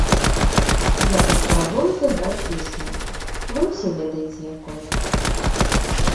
Я паспрабую зайграць песню, вы ўсе ведаеце якую.